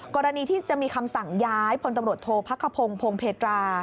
กรณีที่จะมีคำสั่งย้ายพลตำรวจโทษพักขพงศ์พงเพตรา